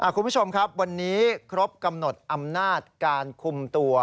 คุณผู้ชมครับวันนี้ครบกำหนดอำนาจการคุมตัว